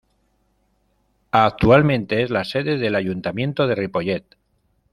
Actualmente es la sede del Ayuntamiento de Ripollet.